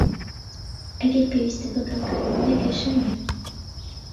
ئەگەر پێویستت بە کەمکردنەوەیە، کێشە نیە.